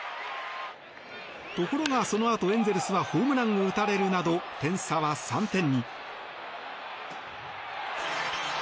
ところが、そのあとエンゼルスはホームランを打たれるなど点差は３点に。